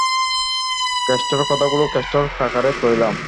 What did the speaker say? কেষ্টর কথাগুলো কেষ্টর কাকারে কইলাম।